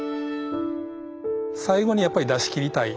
最後にやっぱり出しきりたい。